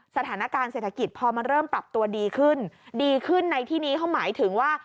สถานการณ์เศรษฐกิจพอมันเริ่มปรับตัวดีขึ้นดีขึ้นในที่นี้เขาหมายถึงว่า